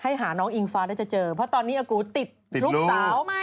ให้หาน้องอิงฟ้าจะเจอเพราะตอนนี้อากุติดลูกเสา